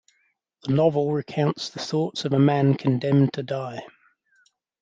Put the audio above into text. The novel recounts the thoughts of a man condemned to die.